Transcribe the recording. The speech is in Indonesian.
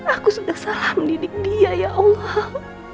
aku sudah salah mendidik dia ya allah